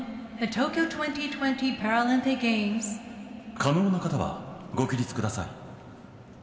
可能な方はご起立ください。